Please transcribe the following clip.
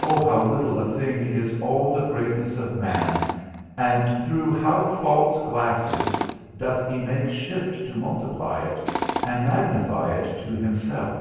O how little a thing is all the greatness of man and through how false glasses doth he make shift to multiply it, and magnify it to himself!